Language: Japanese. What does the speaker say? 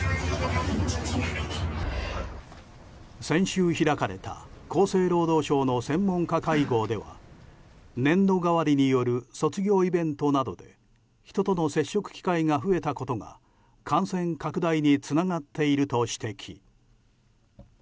先週開かれた厚生労働省の専門家会合では年度替わりによる卒業イベントなどで人との接触機会が増えたことなどが感染拡大につながっていると指摘。